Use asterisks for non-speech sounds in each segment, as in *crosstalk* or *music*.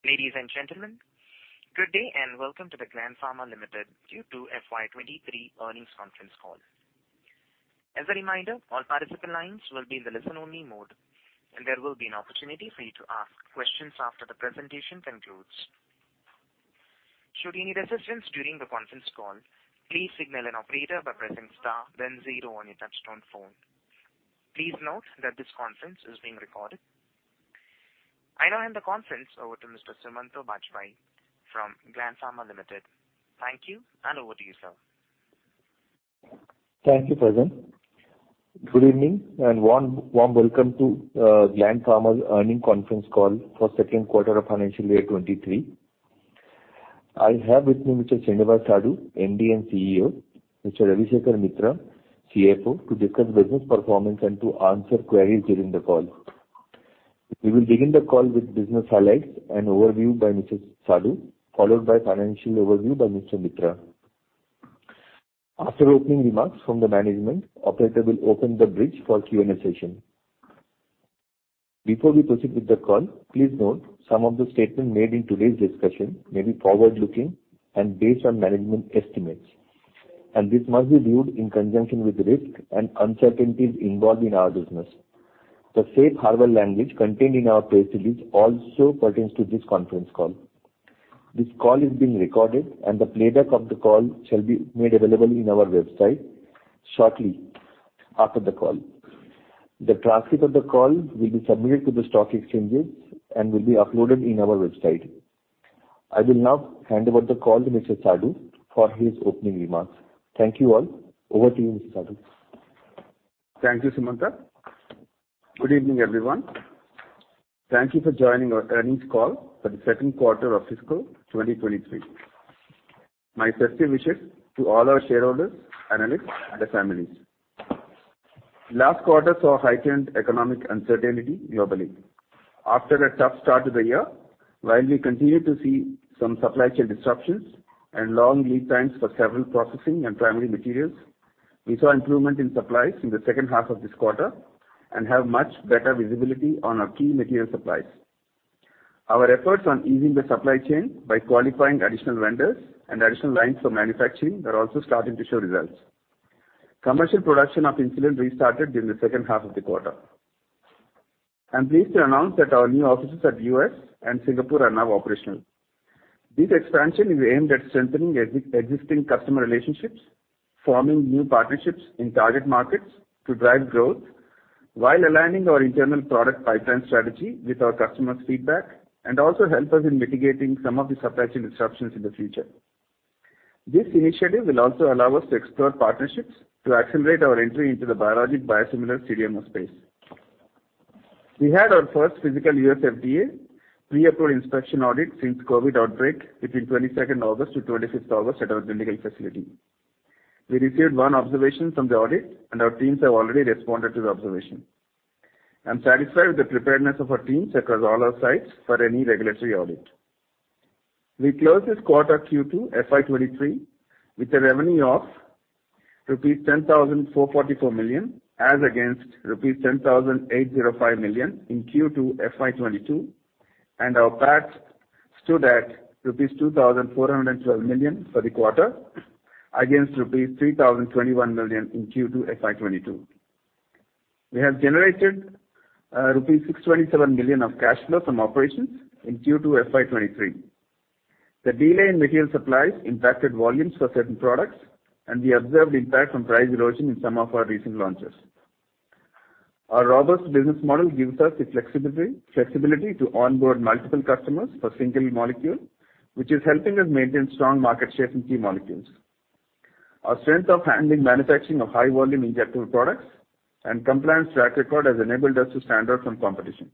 Ladies and gentlemen, good day and welcome to the Gland Pharma Limited Q2 FY23 Earnings Conference Call. As a reminder, all participant lines will be in the listen-only mode, and there will be an opportunity for you to ask questions after the presentation concludes. Should you need assistance during the conference call, please signal an operator by pressing star then zero on your touchtone phone. Please note that this conference is being recorded. I now hand the conference over to Mr. Sumanta Bajpayee from Gland Pharma Limited. Thank you, and over to you, sir. Thank you, Prasanth. Good evening, and warm welcome to Gland Pharma's earnings conference call for second quarter of financial year 2023. I have with me Mr. Srinivas Sadu, MD and CEO, Mr. Ravi Shekhar Mitra, CFO, to discuss business performance and to answer queries during the call. We will begin the call with business highlights and overview by Mr. Sadu, followed by financial overview by Mr. Mitra. After opening remarks from the management, operator will open the bridge for Q&A session. Before we proceed with the call, please note some of the statements made in today's discussion may be forward-looking and based on management estimates, and this must be viewed in conjunction with risks and uncertainties involved in our business. The safe harbor language contained in our press release also pertains to this conference call. This call is being recorded, and the playback of the call shall be made available in our website shortly after the call. The transcript of the call will be submitted to the stock exchanges and will be uploaded in our website. I will now hand over the call to Mr. Sadu for his opening remarks. Thank you all. Over to you, Mr. Sadu. Thank you, Sumanta. Good evening, everyone. Thank you for joining our earnings call for the second quarter of fiscal 2023. My festive wishes to all our shareholders, analysts and their families. Last quarter saw heightened economic uncertainty globally. After a tough start to the year, while we continue to see some supply chain disruptions and long lead times for several processing and primary materials, we saw improvement in supplies in the second half of this quarter and have much better visibility on our key material supplies. Our efforts on easing the supply chain by qualifying additional vendors and additional lines for manufacturing are also starting to show results. Commercial production of insulin restarted during the second half of the quarter. I'm pleased to announce that our new offices in the U.S. and Singapore are now operational. This expansion is aimed at strengthening existing customer relationships, forming new partnerships in target markets to drive growth while aligning our internal product pipeline strategy with our customers' feedback and also help us in mitigating some of the supply chain disruptions in the future. This initiative will also allow us to explore partnerships to accelerate our entry into the biologic biosimilar CDMO space. We had our first physical U.S. FDA pre-approved inspection audit since COVID outbreak between 22nd August to 25th August at our Lonavala facility. We received one observation from the audit, and our teams have already responded to the observation. I'm satisfied with the preparedness of our teams across all our sites for any regulatory audit. We closed this quarter Q2 FY 2023 with a revenue of rupees 10,444 million as against rupees 10,805 million in Q2 FY 2022, and our PAT stood at rupees 2,412 million for the quarter against rupees 3,021 million in Q2 FY 2022. We have generated rupees 627 million of cash flow from operations in Q2 FY 2023. The delay in material supplies impacted volumes for certain products, and we observed impact from price erosion in some of our recent launches. Our robust business model gives us the flexibility to onboard multiple customers for single molecule, which is helping us maintain strong market share in key molecules. Our strength of handling manufacturing of high-volume injectable products and compliance track record has enabled us to stand out from competition.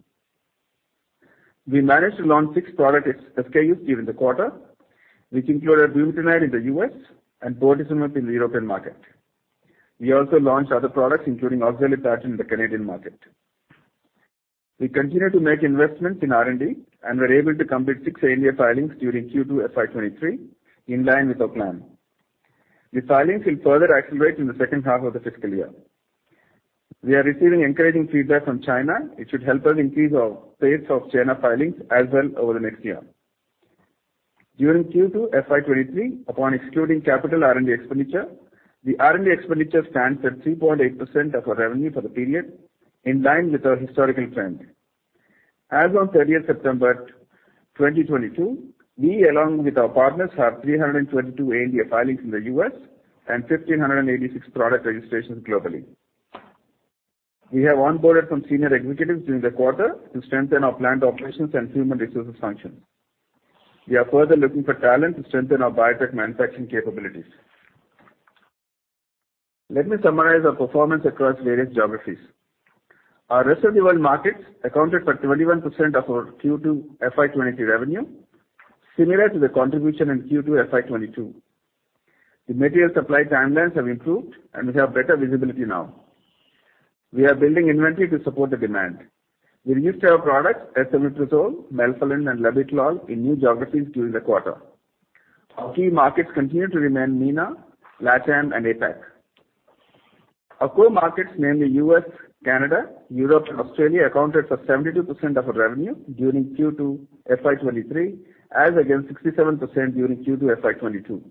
We managed to launch six product SKUs during the quarter, which included glimepiride in the U.S. and bortezomib in the European market. We also launched other products, including oxaliplatin in the Canadian market. We continue to make investments in R&D, and we're able to complete six ANDA filings during Q2 FY 2023 in line with our plan. The filings will further accelerate in the second half of the fiscal year. We are receiving encouraging feedback from China. It should help us increase our pace of China filings as well over the next year. During Q2 FY 2023, upon excluding capital R&D expenditure, the R&D expenditure stands at 3.8% of our revenue for the period, in line with our historical trend. As of 30th September 2022, we along with our partners have 322 ANDA filings in the U.S. and 1,586 product registrations globally. We have onboarded some senior executives during the quarter to strengthen our plant operations and human resources functions. We are further looking for talent to strengthen our biotech manufacturing capabilities. Let me summarize our performance across various geographies. Our rest of the world markets accounted for 21% of our Q2 FY 2023 revenue, similar to the contribution in Q2 FY 2022. The material supply timelines have improved, and we have better visibility now. We are building inventory to support the demand. We released our products esomeprazole, melphalan, and labetalol in new geographies during the quarter. Our key markets continue to remain MENA, LATAM and APAC. Our core markets, namely U.S., Canada, Europe and Australia, accounted for 72% of our revenue during Q2 FY 2023, as against 67% during Q2 FY 2022.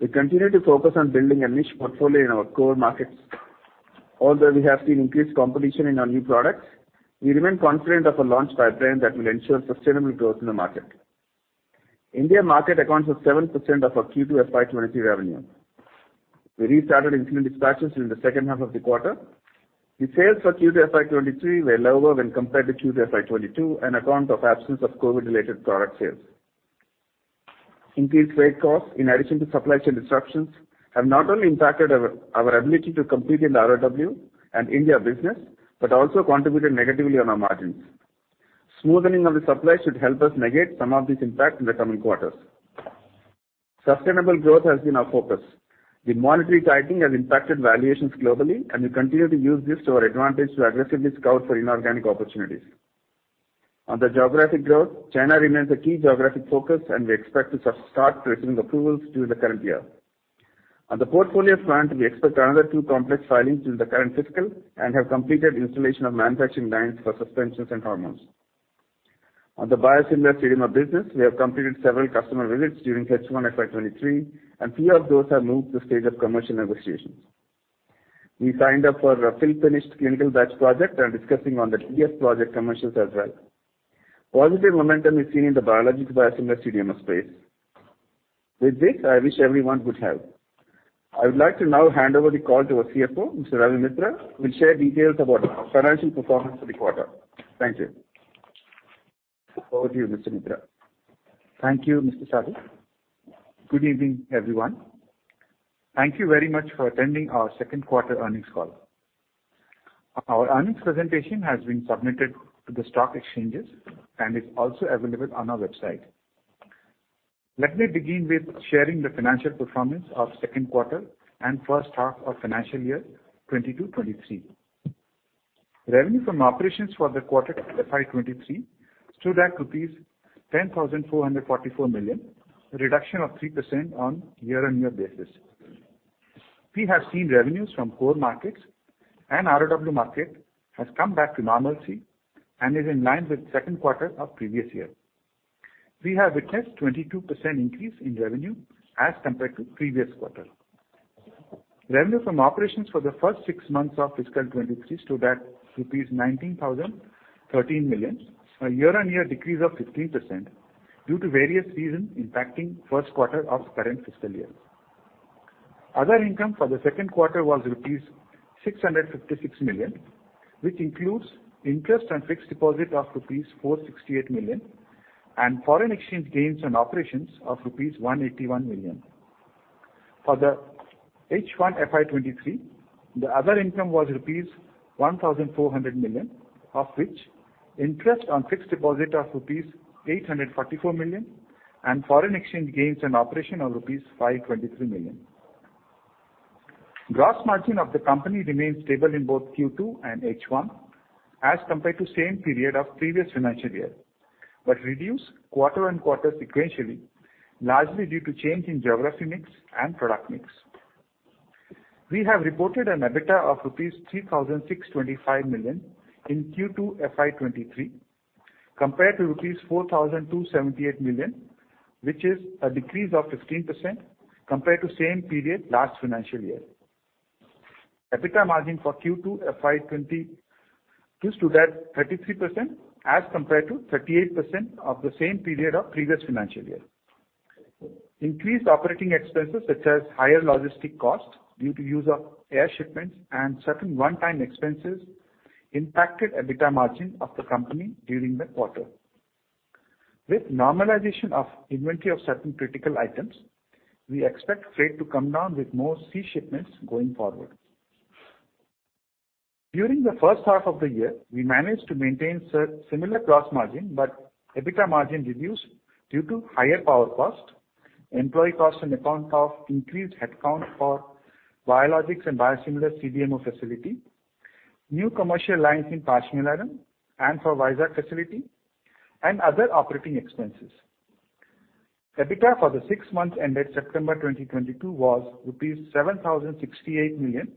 We continue to focus on building a niche portfolio in our core markets. Although we have seen increased competition in our new products, we remain confident of our launch pipeline that will ensure sustainable growth in the market. India market accounts for 7% of our Q2 FY 2023 revenue. We restarted insulin dispatches in the second half of the quarter. The sales for Q2 FY 2023 were lower when compared to Q2 FY 2022, on account of absence of COVID-related product sales. Increased freight costs in addition to supply chain disruptions have not only impacted our ability to compete in the ROW and India business, but also contributed negatively on our margins. Smoothing of the supply should help us negate some of this impact in the coming quarters. Sustainable growth has been our focus. The monetary tightening has impacted valuations globally, and we continue to use this to our advantage to aggressively scout for inorganic opportunities. On the geographic growth, China remains a key geographic focus, and we expect to start receiving approvals during the current year. On the portfolio front, we expect another two complex filings in the current fiscal and have completed installation of manufacturing lines for suspensions and hormones. On the biosimilar CDMO business, we have completed several customer visits during H1 FY 2023, and few of those have moved to stage of commercial negotiations. We signed up for a fill-finish clinical batch project and discussing on the PFS project commercials as well. Positive momentum is seen in the biologic biosimilar CDMO space. With this, I wish everyone good health. I would like to now hand over the call to our CFO, Mr. Ravi Mitra, who will share details about our financial performance for the quarter. Thank you. Over to you, Mr. Mitra. Thank you, Mr. Sadu. Good evening, everyone. Thank you very much for attending our second quarter earnings call. Our earnings presentation has been submitted to the stock exchanges and is also available on our website. Let me begin with sharing the financial performance of second quarter and first half of financial year 2022-2023. Revenue from operations for the quarter FY 2023 stood at rupees 10,444 million, a reduction of 3% on year-on-year basis. We have seen revenues from core markets and ROW market has come back to normalcy and is in line with second quarter of previous year. We have witnessed 22% increase in revenue as compared to previous quarter. Revenue from operations for the first six months of fiscal 2023 stood at rupees 19,013 million, a year-on-year decrease of 15% due to various reasons impacting first quarter of current fiscal year. Other income for the second quarter was rupees 656 million, which includes interest on fixed deposit of rupees 468 million and foreign exchange gains on operations of rupees 181 million. For the H1 FY 2023, the other income was rupees 1,400 million, of which interest on fixed deposit of rupees 844 million and foreign exchange gains on operation of rupees 523 million. Gross margin of the company remained stable in both Q2 and H1 as compared to same period of previous financial year, but reduced quarter-on-quarter sequentially, largely due to change in geographic mix and product mix. We have reported an EBITDA of 3,625 million rupees in Q2 FY 2023, compared to 4,278 million rupees, which is a decrease of 15% compared to same period last financial year. EBITDA margin for Q2 FY 2023 stood at 33% as compared to 38% of the same period of previous financial year. Increased operating expenses, such as higher logistics costs due to use of air shipments and certain one-time expenses impacted EBITDA margin of the company during the quarter. With normalization of inventory of certain critical items, we expect freight to come down with more sea shipments going forward. During the first half of the year, we managed to maintain similar gross margin, but EBITDA margin reduced due to higher power cost, employee cost on account of increased headcount for biologics and biosimilar CDMO facility, new commercial lines in Pashamylaram and for Vizag facility and other operating expenses. EBITDA for the six months ended September 2022 was rupees 7,068 million,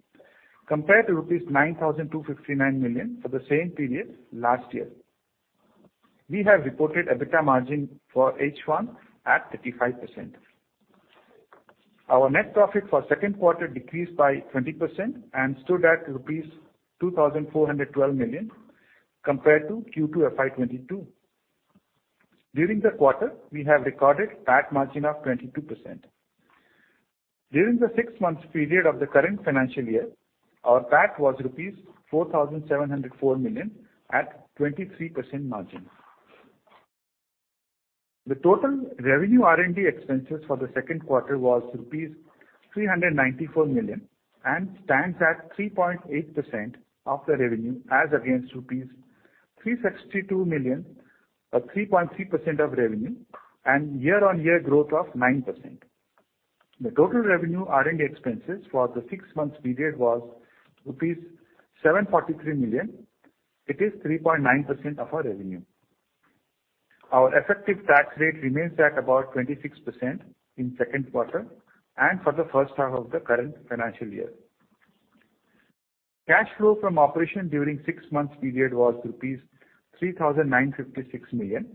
compared to rupees 9,259 million for the same period last year. We have reported EBITDA margin for H1 at 35%. Our net profit for second quarter decreased by 20% and stood at rupees 2,412 million compared to Q2 FY 2022. During the quarter, we have recorded PAT margin of 22%. During the six-month period of the current financial year, our PAT was rupees 4,704 million at 23% margin. The total revenue R&D expenses for the second quarter was rupees 394 million and stands at 3.8% of the revenue, as against rupees 362 million, or 3.3% of revenue, and year-on-year growth of 9%. The total revenue R&D expenses for the six-month period was rupees 743 million. It is 3.9% of our revenue. Our effective tax rate remains at about 26% in second quarter and for the first half of the current financial year. Cash flow from operation during six months period was rupees 3,956 million.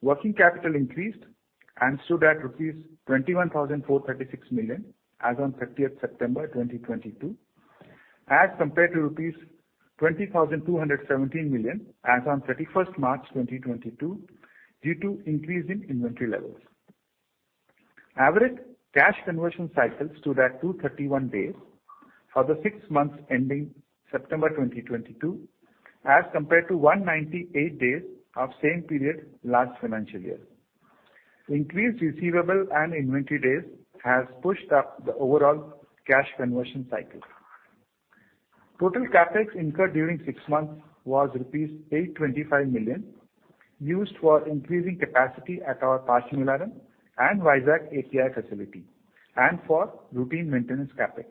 Working capital increased and stood at rupees 21,436 million as on thirtieth September 2022, as compared to rupees 20,217 million as on thirty-first March 2022, due to increase in inventory levels. Average cash conversion cycle stood at 231 days for the six months ending September 2022, as compared to 198 days of same period last financial year. Increased receivable and inventory days has pushed up the overall cash conversion cycle. Total CapEx incurred during six months was rupees 825 million, used for increasing capacity at our Parchim, Ireland and Vizag API facility and for routine maintenance CapEx.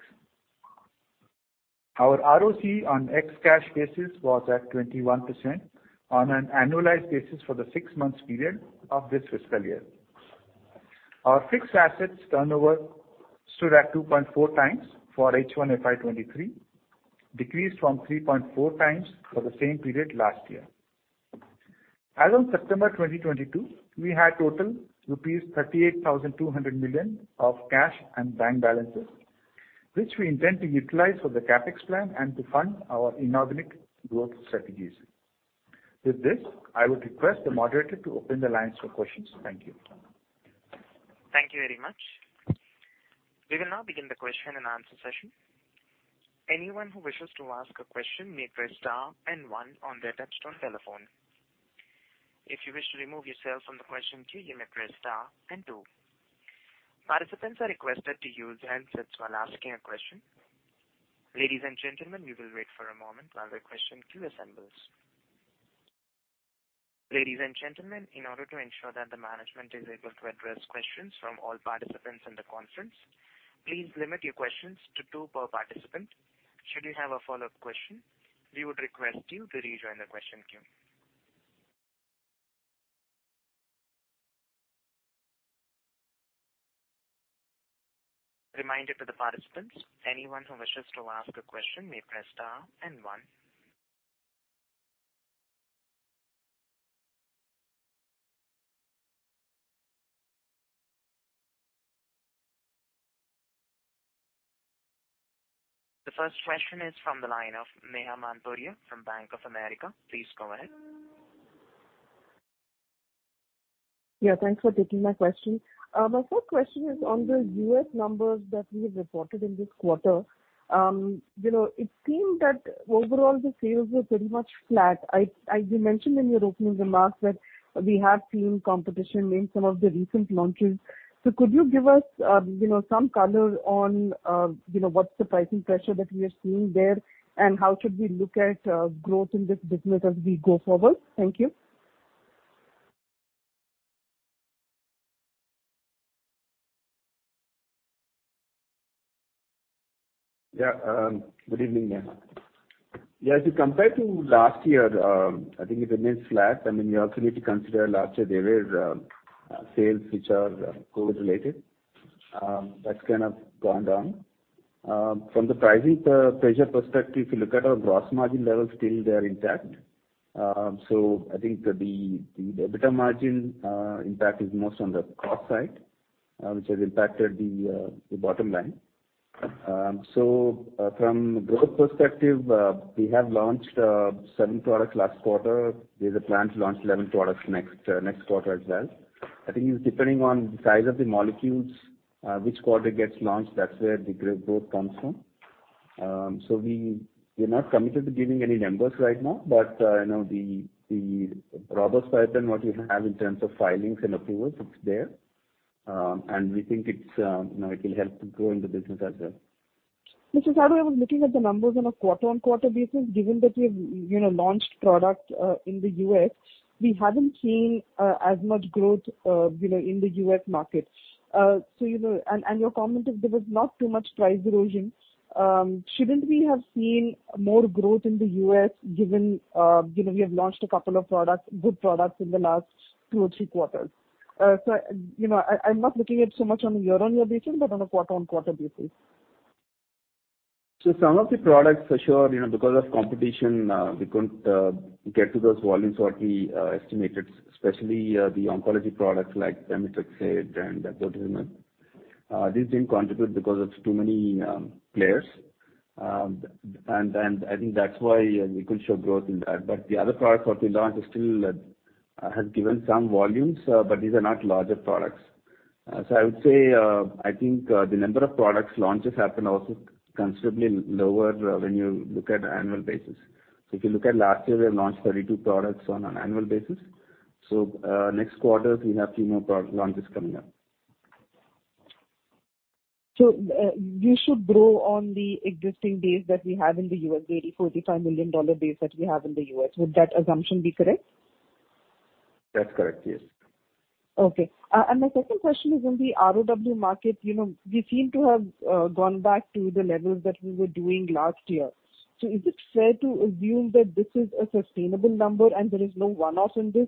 Our ROCE on ex-cash basis was at 21% on an annualized basis for the six months period of this fiscal year. Our fixed assets turnover stood at 2.4 times for H1 FY 2023, decreased from 3.4x for the same period last year. As of September 2022, we had total rupees 38,200 million of cash and bank balances, which we intend to utilize for the CapEx plan and to fund our inorganic growth strategies. With this, I would request the moderator to open the lines for questions. Thank you. Thank you very much. We will now begin the question and answer session. Anyone who wishes to ask a question may press star and one on their touch-tone telephone. If you wish to remove yourself from the question queue, you may press star and two. Participants are requested to use handsets while asking a question. Ladies and gentlemen, we will wait for a moment while the question queue assembles. Ladies and gentlemen, in order to ensure that the management is able to address questions from all participants in the conference, please limit your questions to two per participant. Should you have a follow-up question, we would request you to rejoin the question queue. Reminder to the participants, anyone who wishes to ask a question may press star and one. The first question is from the line of Neha Manpuria from Bank of America. Please go ahead. Yeah, thanks for taking my question. My first question is on the U.S. numbers that we have reported in this quarter. You know, it seemed that overall the sales were pretty much flat. I, as you mentioned in your opening remarks that we have seen competition in some of the recent launches. Could you give us, you know, some color on, you know, what's the pricing pressure that we are seeing there? How should we look at, growth in this business as we go forward? Thank you. Yeah. Good evening, Neha. Yeah, if you compare to last year, I think the business is flat. I mean, you also need to consider last year there were sales which are COVID related, that's kind of gone down. From the pricing pressure perspective, if you look at our gross margin levels, still they are intact. So I think the EBITDA margin impact is most on the cost side, which has impacted the bottom line. So from growth perspective, we have launched seven products last quarter. There's a plan to launch eleven products next quarter as well. I think it's depending on the size of the molecules, which quarter gets launched, that's where the growth comes from. We're not committed to giving any numbers right now, but you know, the robust pattern, what we have in terms of filings and approvals, it's there. We think it's you know, it will help to grow in the business as well. Mr. Sadu, I was looking at the numbers on a quarter-on-quarter basis. Given that we have, you know, launched product in the U.S., we haven't seen as much growth, you know, in the U.S. market. You know, and your comment is there was not too much price erosion. Shouldn't we have seen more growth in the U.S. given, you know, we have launched a couple of products, good products in the last two or three quarters? You know, I'm not looking at so much on a year-on-year basis, but on a quarter-on-quarter basis. Some of the products for sure, you know, because of competition, we couldn't get to those volumes what we estimated, especially the oncology products like Pemetrexed and Abiraterone. These didn't contribute because it's too many players. I think that's why we couldn't show growth in that. The other products what we launched is still has given some volumes, but these are not larger products. I would say I think the number of products launches happen also considerably lower when you look at annual basis. If you look at last year, we have launched 32 products on an annual basis. Next quarter we have few more product launches coming up. You should grow on the existing base that we have in the U.S., the $84 million-$95 million base that we have in the U.S. Would that assumption be correct? That's correct. Yes. Okay. My second question is on the ROW market. You know, we seem to have gone back to the levels that we were doing last year. Is it fair to assume that this is a sustainable number and there is no one-off in this?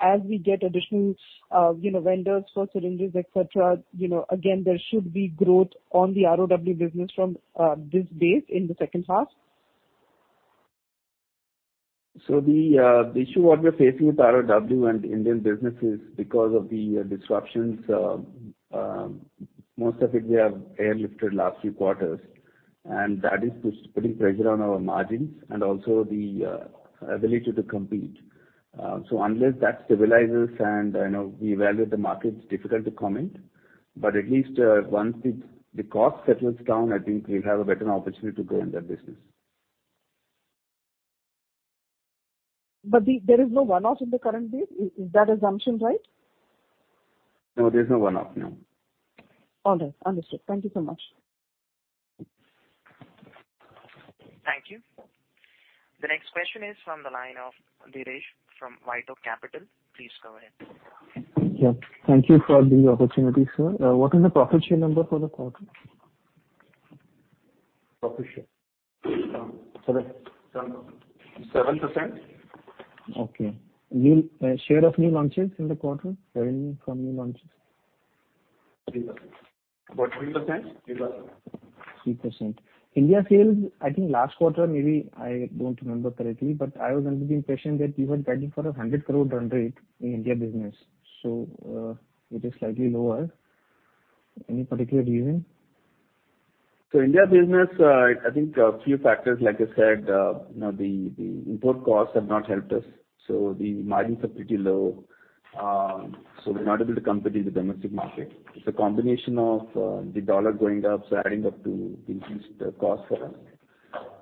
As we get additional, you know, vendors for syringes, et cetera, you know, again, there should be growth on the ROW business from this base in the second half. The issue what we're facing with ROW and Indian business is because of the disruptions, most of it we have airlifted last few quarters. That is just putting pressure on our margins and also the ability to compete. Unless that stabilizes and, you know, we evaluate the market, it's difficult to comment. At least, once the cost settles down, I think we'll have a better opportunity to grow in that business. There is no one-off in the current date. Is that assumption right? No, there's no one-off, no. All right. Understood. Thank you so much. Thank you. The next question is from the line of Dheeresh Pathak from White Oak Capital. Please go ahead. Yeah. Thank you for the opportunity, sir. What is the profit share number for the quarter? Profit share. Sorry. 7%. Okay. New share of new launches in the quarter, revenue from new launches. 3%. About 3%. 3%. India sales, I think last quarter maybe, I don't remember correctly, but I was under the impression that you were guiding for 100 crore run rate in India business. It is slightly lower. Any particular reason? India business, I think a few factors, like I said, you know, the import costs have not helped us, so the margins are pretty low. We're not able to compete in the domestic market. It's a combination of the dollar going up, so adding up to increased costs for us.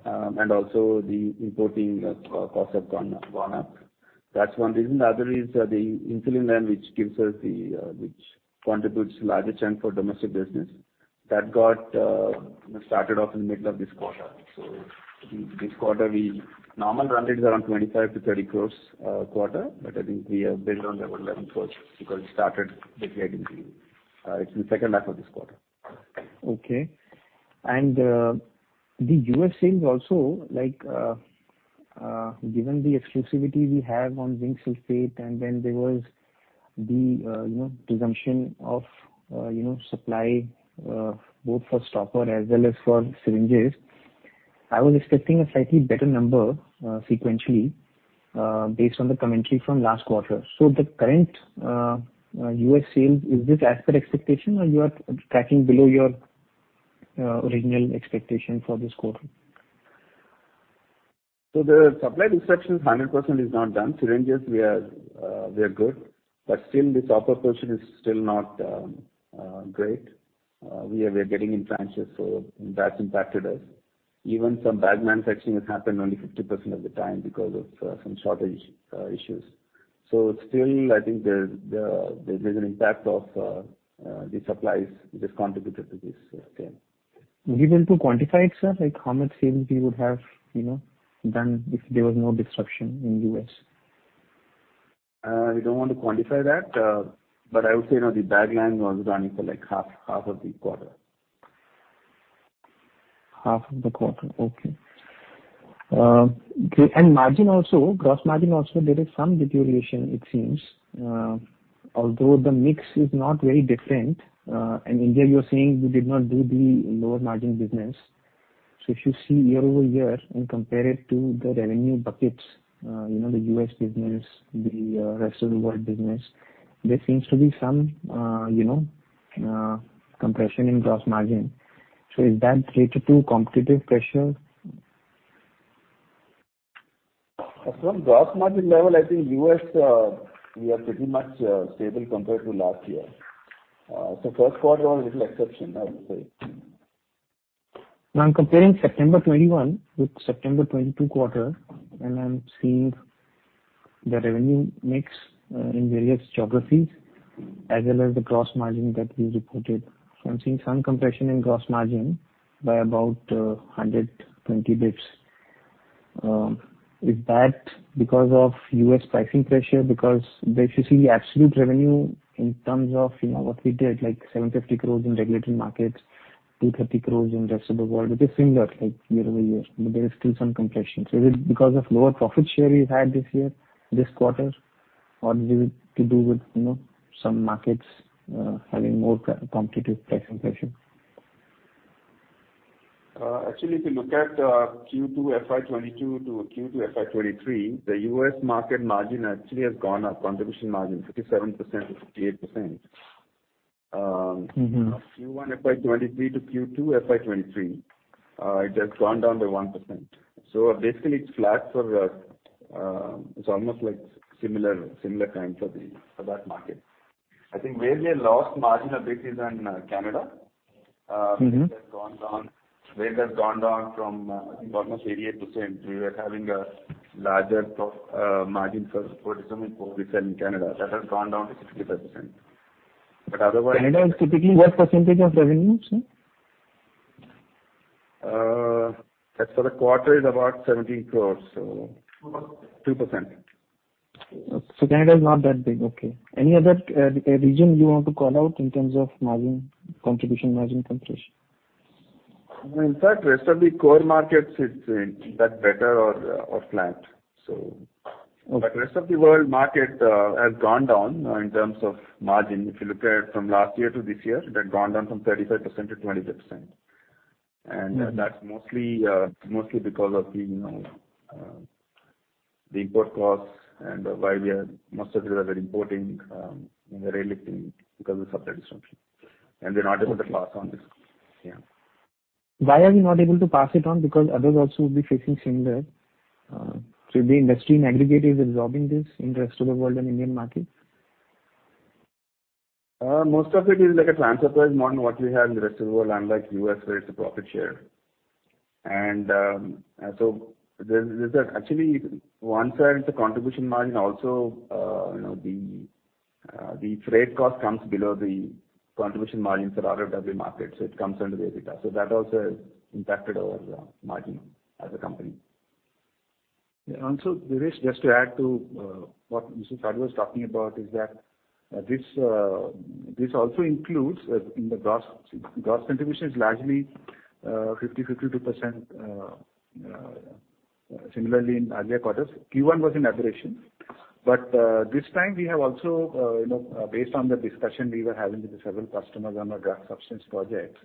And also the importing costs have gone up. That's one reason. The other is the insulin line which contributes a larger chunk for domestic business. That got started off in the middle of this quarter. This quarter. Normal run rates are around 25 crores-30 crores quarter. I think we are below that level because it started late in the second half of this quarter. Okay. The U.S. sales also, like, given the exclusivity we have on Zinc Sulfate, and then there was the, you know, presumption of, you know, supply, both for stopper as well as for syringes. I was expecting a slightly better number, sequentially, based on the commentary from last quarter. The current U.S. sales, is this as per expectation or you are tracking below your original expectation for this quarter? The supply disruption 100% is not done. Syringes we are good. But the stopper portion is still not great. We are getting in tranches, so that's impacted us. Even some bag manufacturing has happened only 50% of the time because of some shortage issues. Still I think there's an impact of the supplies which has contributed to this sales. Even to quantify it, sir, like how much sales we would have, you know, done if there was no disruption in U.S.? We don't want to quantify that. I would say, you know, the bag line was running for like half of the quarter. Half of the quarter. Okay. Okay. Margin also, gross margin also there is some deterioration it seems. Although the mix is not very different. India you're saying we did not do the lower margin business. If you see year-over-year and compare it to the revenue buckets, you know, the U.S. business, the rest of the world business, there seems to be some you know compression in gross margin. Is that related to competitive pressure? From gross margin level, I think U.S., we are pretty much stable compared to last year. First quarter was a little exception I would say. Now I'm comparing September 2021 with September 2022 quarter, and I'm seeing the revenue mix in various geographies as well as the gross margin that we reported. I'm seeing some compression in gross margin by about 120 basis points. Is that because of U.S. pricing pressure? Because if you see the absolute revenue in terms of, you know, what we did, like 750 crores in regulatory markets, 230 crores in rest of the world. It is similar like year-over-year, but there is still some compression. Is it because of lower profit share we've had this quarter? Or is it to do with, you know, some markets having more competitive price inflation? Actually, if you look at Q2 FY 2022 to Q2 FY 2023, the U.S. market margin actually has gone up, contribution margin, 57%-58%. Mm-hmm. Q1 FY23 to Q2 FY23, it has gone down by 1%. Basically it's flat for, it's almost like similar time for that market. I think where we have lost margin a bit is in Canada. Mm-hmm. It has gone down, where it has gone down from, I think almost 88%. We were having a larger margin for *audio distortion* in Canada. That has gone down to 65%. Otherwise- Canada is typically what percentage of revenues? As for the quarter is about 70 crore. 2%. Canada is not that big. Okay. Any other region you want to call out in terms of margin contribution, margin compression? In fact, rest of the core markets it's that better or flat. So Okay. Rest of the world market has gone down in terms of margin. If you look at from last year to this year, it has gone down from 35%-23%. Mm-hmm. That's mostly because of the import costs. Most of it we are importing in the raw material because of supply disruption, and we're not able to pass on this. Why are you not able to pass it on? Because others also would be facing similar, so the industry in aggregate is absorbing this in the rest of the world and Indian market. Most of it is like a planned supply, not what we have in the rest of the world, unlike U.S., where it's a profit share. Actually, one side it's a contribution margin also, you know, the freight cost comes below the contribution margins for ROW market, so it comes under the EBITDA. That also impacted our margin as a company. Yeah. Dheeresh, just to add to what Mr. Sadu was talking about is that this also includes in the gross. Gross contribution is largely 50%-52%, similarly in earlier quarters. Q1 was an aberration. This time we have also, you know, based on the discussion we were having with the several customers on our drug substance project.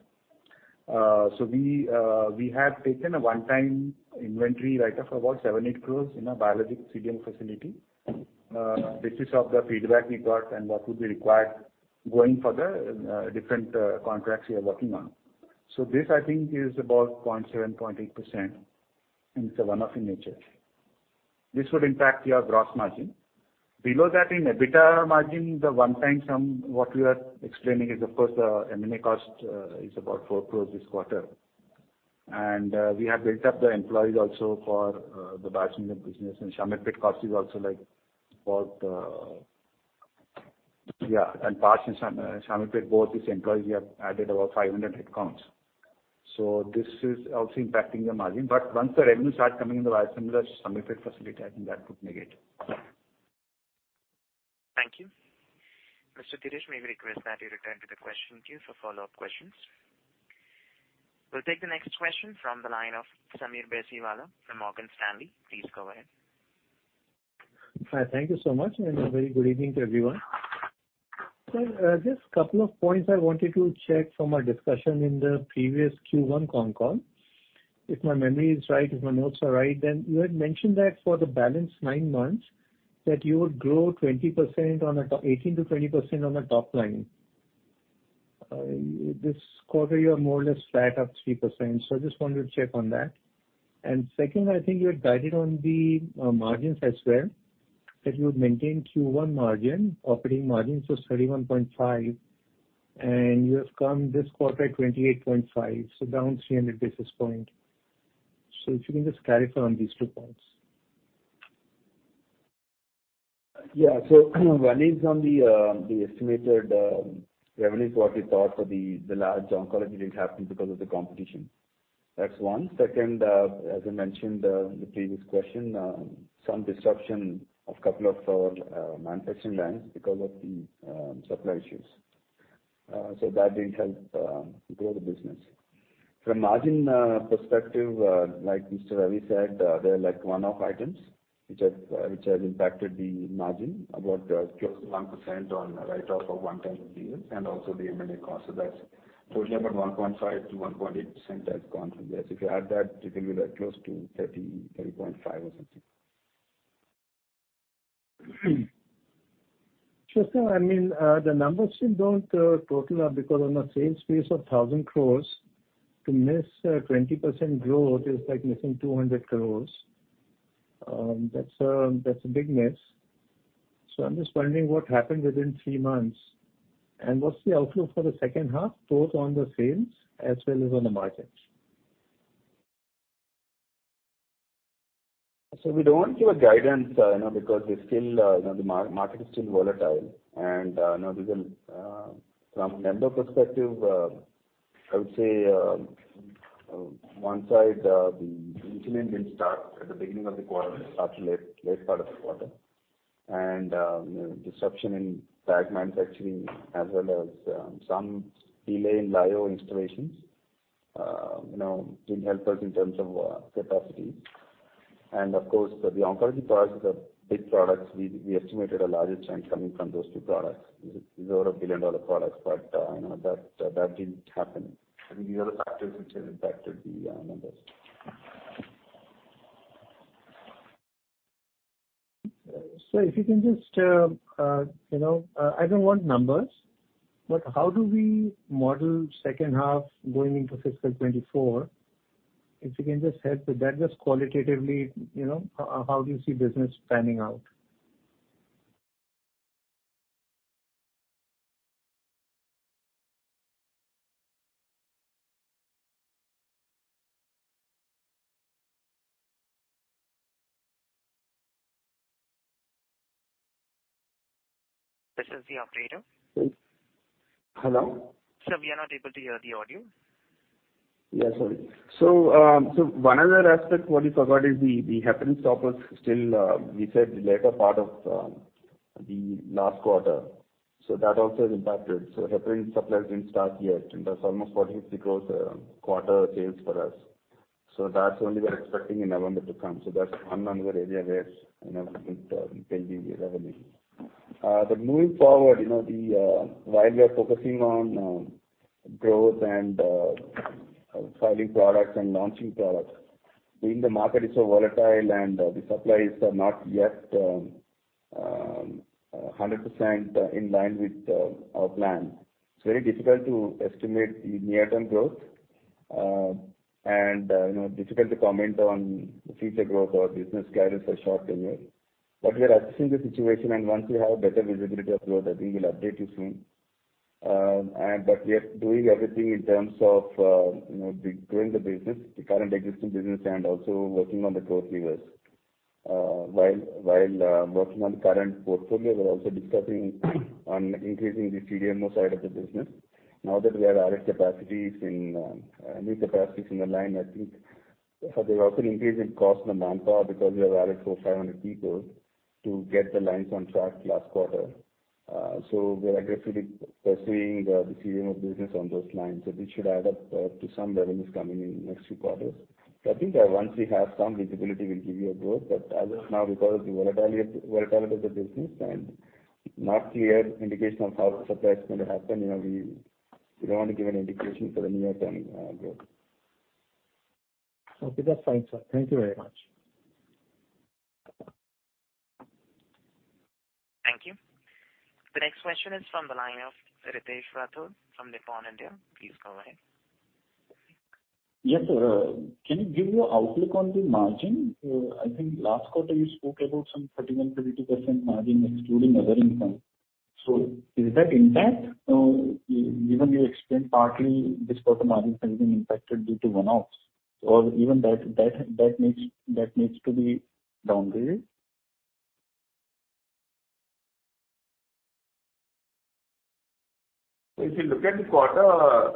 We have taken a one-time inventory write-off of about 7 crores-8 crores in our biologic CDMO facility on the basis of the feedback we got and what would be required going further on different contracts we are working on. This I think is about 0.7%-0.8%, and it is a one-off in nature. This would impact your gross margin. Below that in EBITDA margin, the one-time sum what we are explaining is of course the M&A cost is about 4 crores this quarter. We have built up the employees also for the biosimilar business and Shamirpet cost is also like about, and Pashamylaram and Shamirpet, both these employees, we have added about 500 headcounts. This is also impacting the margin. Once the revenue starts coming in the biosimilar Shamirpet facility, I think that could negate. Thank you. Mr. Dheeresh, may we request that you return to the question queue for follow-up questions. We'll take the next question from the line of Sameer Baisiwala from Morgan Stanley. Please go ahead. Hi. Thank you so much, and a very good evening to everyone. Just couple of points I wanted to check from our discussion in the previous Q1 con call. If my memory is right, if my notes are right, then you had mentioned that for the balance nine months that you would grow 18%-20% on the top line. This quarter you are more or less flat, up 3%. I just wanted to check on that. Second, I think you had guided on the margins as well, that you would maintain Q1 margin, operating margin, so 31.5%, and you have come this quarter at 28.5%, so down 300 basis points. If you can just clarify on these two points. Yeah. One is on the estimated revenues what we thought for the large oncology didn't happen because of the competition. That's one. Second, as I mentioned in the previous question, some disruption of couple of our manufacturing lines because of the supply issues. That didn't help grow the business. From margin perspective, like Mr. Ravi said, there are like one-off items which has impacted the margin about close to 1% on write-off of one-time deals and also the M&A cost. That's totally about 1.5%-1.8% has gone from there. If you add that, it will be like close to 30%-30.5% or something. Sure, sir. I mean, the numbers still don't total up because on a sales base of 1,000 crores, to miss 20% growth is like missing 200 crores. That's a big miss. I'm just wondering what happened within three months, and what's the outlook for the second half, both on the sales as well as on the margins? We don't give guidance, you know, because we're still, you know, the market is still volatile and, you know, from management perspective, I would say, one side, the insulin didn't start at the beginning of the quarter, it started late part of the quarter. You know, disruption in bag manufacturing as well as some delay in bio installations, you know, didn't help us in terms of capacities. Of course, the oncology products are big products. We estimated a larger change coming from those two products. These are our billion-dollar products, but, you know, that didn't happen. I mean, these are the factors which have impacted the numbers. If you can just, you know, I don't want numbers, but how do we model second half going into fiscal 2024? If you can just help with that, just qualitatively, you know, how do you see business panning out? This is the operator. Hello. Sir, we are not able to hear the audio. Yeah, sorry. One other aspect what we forgot is the Heparin stoppers still. We said the later part of the last quarter. That also has impacted. Heparin suppliers didn't start yet, and that's almost INR 43 crore quarter sales for us. That's only we're expecting in November to come. That's one other area where, you know, we could, we can see revenue. But moving forward, you know, while we are focusing on growth and filing products and launching products, I mean, the market is so volatile and the suppliers are not yet 100% in line with our plan. It's very difficult to estimate the near-term growth, and, you know, difficult to comment on the future growth or business guidance for short term. We are assessing the situation, and once we have better visibility of growth, I think we'll update you soon. We are doing everything in terms of, you know, growing the business, the current existing business and also working on the growth levers. While working on the current portfolio, we're also discussing on increasing the CDMO side of the business. Now that we have added new capacities in the line, I think there's also an increase in cost and the manpower because we have added 400-500 people to get the lines on track last quarter. We're aggressively pursuing the CDMO business on those lines. This should add up to some revenues coming in next few quarters. I think, once we have some visibility, we'll give you a go, but as of now, because of the volatility of the business and not clear indication of how the supply is going to happen, you know, we don't want to give an indication for the near-term growth. Okay, that's fine, sir. Thank you very much. Thank you. The next question is from the line of Ritesh Rathod from Nippon India. Please go ahead. Yes, sir. Can you give your outlook on the margin? I think last quarter you spoke about some 31%-32% margin excluding other income. Is that intact? Even you explained partly this quarter margin has been impacted due to one-offs. Even that needs to be downgraded. If you look at the quarter,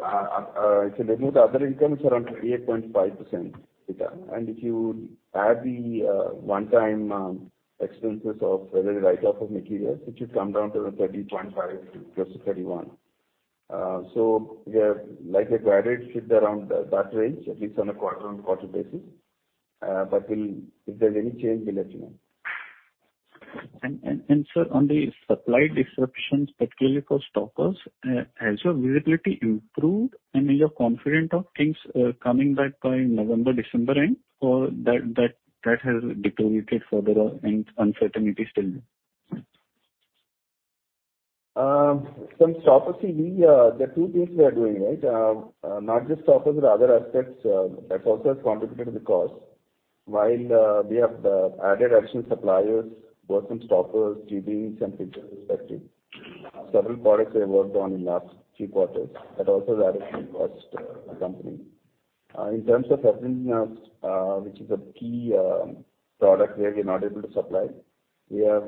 if you remove the other incomes around 38.5%, and if you add the one-time expenses of whether the write-off of materials, it should come down to around 30.5%, close to 31%. We have likely to average it around that range, at least on a quarter-on-quarter basis. If there's any change, we'll let you know. Sir, on the supply disruptions, particularly for stoppers, has your visibility improved? Are you confident of things coming back by November, December end, or that has deteriorated further and uncertainty still? From stoppers, we there are two things we are doing, right? Not just stoppers, but other aspects that also has contributed to the cost. While we have added additional suppliers, worked on stoppers, gaskets and pistons respectively. Several products we have worked on in last three quarters. That also has added some cost, accompanying. In terms of Heparin, which is a key product where we are not able to supply, we have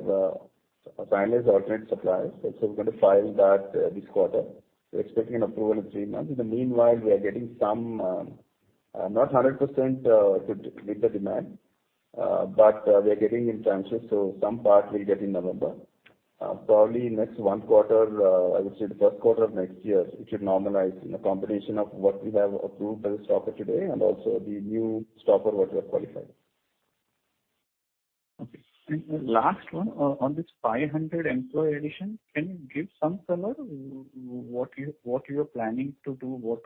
finalized alternate suppliers. We're going to file that this quarter. We're expecting an approval in three months. In the meanwhile, we are getting some, not 100%, to meet the demand, but we are getting in tranches, so some part we'll get in November. Probably next one quarter, I would say the first quarter of next year, it should normalize in a combination of what we have approved as a stopper today and also the new stopper what we have qualified. Okay. The last one, on this 500 employee addition, can you give some color what you are planning to do, what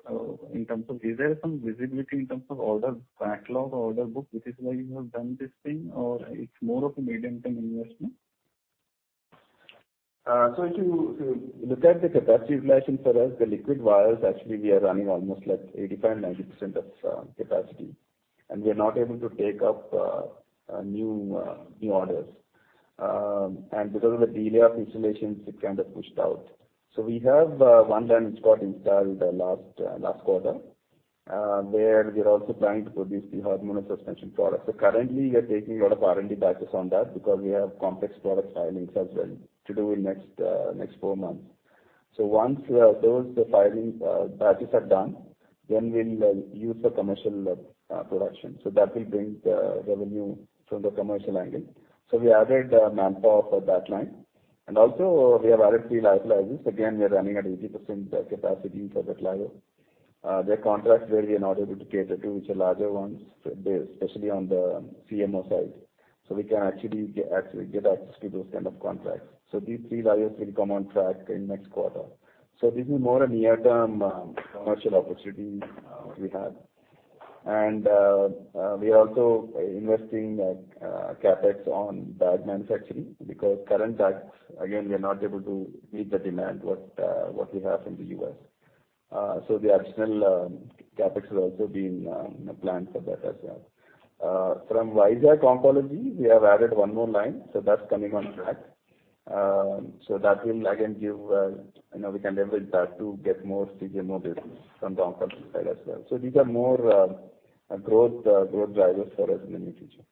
in terms of is there some visibility in terms of order backlog or order book, which is why you have done this thing, or it's more of a medium-term investment? If you look at the capacity utilization for us, the liquid vials actually we are running almost like 85%-90% of capacity. We are not able to take up new orders. Because of the delay of installations, it kind of pushed out. We have one line which got installed last quarter. There we are also planning to produce the hormonal suspension products. Currently, we are taking a lot of R&D batches on that because we have complex product filings as well to do in next four months. Once those filing batches are done, then we'll use for commercial production. That will bring the revenue from the commercial angle. We added manpower for that line. Also we have added three lyophilizers. We are running at 80% capacity for the lyophilization. There are contracts where we are not able to cater to, which are larger ones, especially on the CMO side. We can actually get access to those kind of contracts. These three lyos will come on track in next quarter. This is more a near-term commercial opportunity we have. We are also investing CapEx on bag manufacturing because current bags, again, we are not able to meet the demand what we have in the U.S. The additional CapEx will also be in the plan for that as well. From Vizag oncology, we have added one more line, that's coming on track. That will again give you know, we can leverage that to get more CDMO business from the oncology side as well. These are more growth drivers for us in the near future.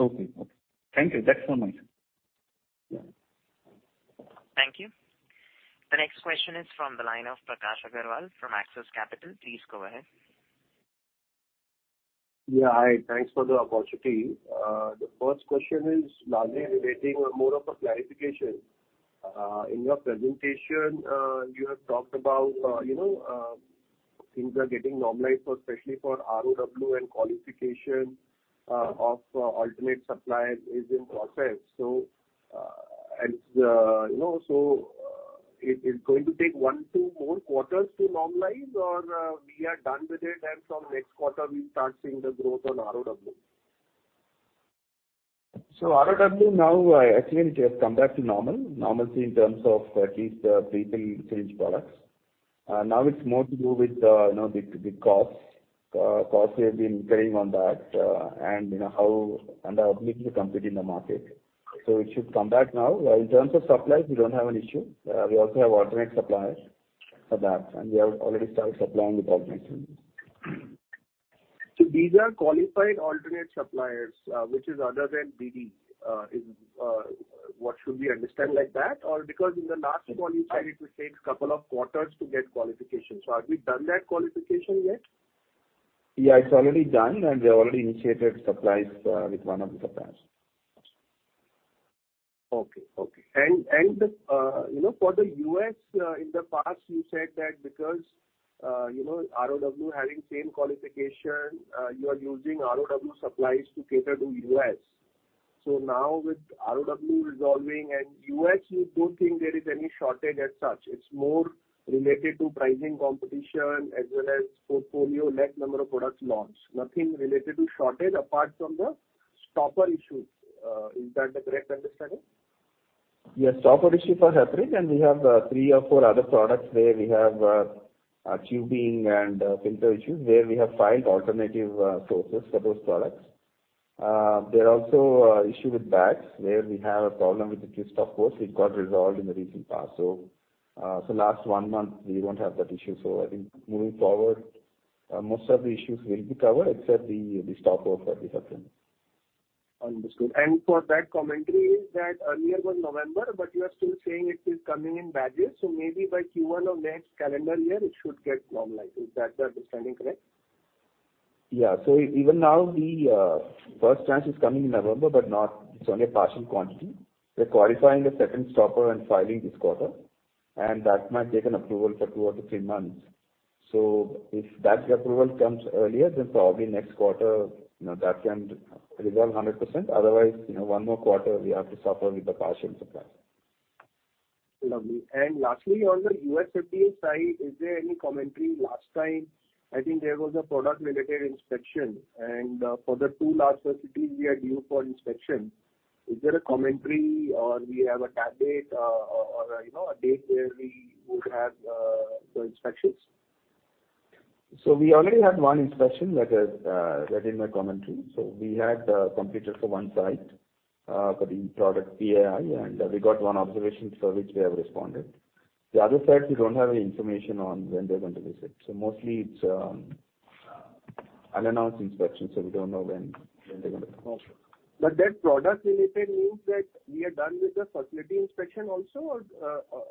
Okay. Okay. Thank you. That's all my side. Yeah. Thank you. The next question is from the line of Prakash Agarwal from Axis Capital. Please go ahead. Yeah. Hi, thanks for the opportunity. The first question is largely relating more of a clarification. In your presentation, you have talked about, you know, things are getting normalized, especially for ROW and qualification of alternate suppliers is in process. It is going to take one, two more quarters to normalize or we are done with it and from next quarter we start seeing the growth on ROW? ROW now, it has come back to normalcy in terms of at least the prefilled syringe products. Now it's more to do with, you know, the costs. Costs we have been carrying on that, and you know, how our ability to compete in the market. It should come back now. In terms of supplies, we don't have an issue. We also have alternate suppliers for that, and we have already started supplying with alternate suppliers. These are qualified alternate suppliers, which is other than BD. What should we understand like that? Or because in the last call you said it will take couple of quarters to get qualification. Have you done that qualification yet? Yeah, it's already done, and we have already initiated supplies with one of the partners. Okay. You know, for the U.S., in the past you said that because, you know, ROW having same qualification, you are using ROW supplies to cater to U.S. Now with ROW resolving and U.S. you don't think there is any shortage as such. It's more related to pricing competition as well as portfolio, next number of products launch. Nothing related to shortage apart from the stopper issues. Is that the correct understanding? Yes. Stopper issue for Heparin, and we have three or four other products where we have tubing and filter issues where we have filed alternative sources for those products. There are also issue with bags where we have a problem with the twist-off caps. It got resolved in the recent past. Last one month we won't have that issue. I think moving forward, most of the issues will be covered except the stopper for the Heparin. Understood. For that commentary is that earlier was November, but you are still saying it is coming in batches, so maybe by Q1 of next calendar year it should get normalized. Is that understanding correct? Even now the first tranche is coming in November, but not. It's only a partial quantity. We're qualifying the second stopper and filing this quarter, and that might take an approval for two to three months. If that approval comes earlier, then probably next quarter, you know, that can resolve 100%. Otherwise, you know, one more quarter we have to suffer with the partial supply. Lovely. Lastly, on the U.S. FDA side, is there any commentary? Last time, I think there was a product-related inspection, and for the two largest cities we are due for inspection. Is there a commentary or we have a target, or you know, a date where we would have the inspections? We already had one inspection, like I read in my commentary. We had completed for one site for the product PAI, and we got one observation for which we have responded. The other sites we don't have any information on when they're going to visit. Mostly it's unannounced inspection, so we don't know when they're gonna come. Okay. That product related means that we are done with the facility inspection also, or,